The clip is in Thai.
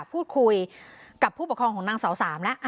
พูดคุยกับผู้ปกครองของนางสาวสามแล้ว